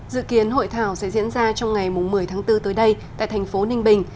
dự kiến hội thảo sẽ diễn ra trong ngày một mươi tháng bốn tới đây tại thành phố ninh bình